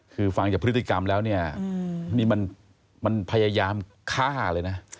คือฟังจากพฤติกรรมแล้วเนี่ยนี่มันพยายามฆ่าเลยนะ